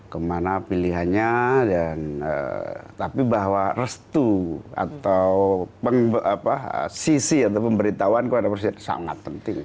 kemana pilihannya dan tapi bahwa restu atau sisi atau pemberitahuan kepada presiden sangat penting